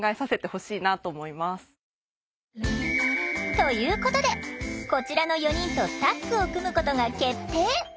ということでこちらの４人とタッグを組むことが決定！